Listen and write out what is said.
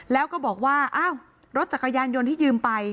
แล้วก็บอกว่าอ้าวรถจักรยานยนต์ที่ยืมไป